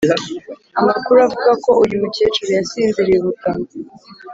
Amakuru avuga ko uyu mukecuru yasinziriye ubuda